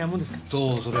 そうそれ！